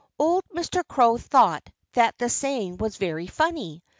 Old Mr. Crow thought that the saying was very funny.